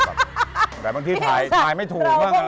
แต่บางที่ถ่ายไม่ถูกบ้าง